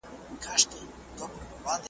ناپوه دومره په بل نه کوي لکه په ځان ,